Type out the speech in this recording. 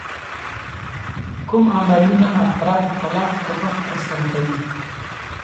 کوم عملونه افراد د طلاق پر وخت ترسره کوي؟